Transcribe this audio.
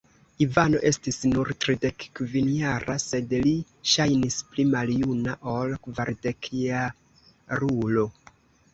Ivano estis nur tridekkvinjara, sed li ŝajnis pli maljuna ol kvardekjarulo.